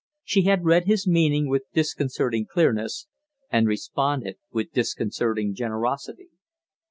She had read his meaning with disconcerting clearness, and responded with disconcerting generosity.